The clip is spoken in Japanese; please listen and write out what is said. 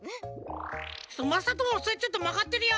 まさともそれちょっとまがってるよ。